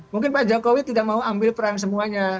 mungkin pak jokowi tidak mau ambil peran semuanya